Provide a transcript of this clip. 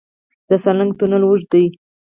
د سالنګ تونل اوږد دی